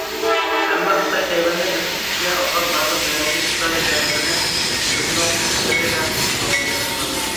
ئەمما خىتاي تەيۋەننى ئۆز ئىچىگە ئالغان بارلىق جەنۇبىي خىتاي دېڭىزىنى ئۆزىنىڭ تۇپرىقى دەپ زومىگەرلىك قىلىدۇ.